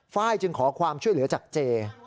ไฟล์จึงขอความช่วยเหลือจากเจ